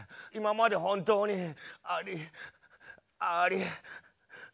今まで本当にありあり。